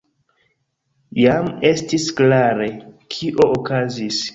Jam estis klare, kio okazis.